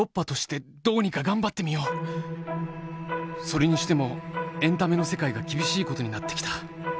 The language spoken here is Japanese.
それにしてもエンタメの世界が厳しいことになってきた。